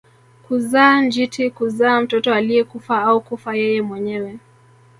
Kuzaa njiti kuzaa mtoto aliyekufa au kufa yeye mwenyewe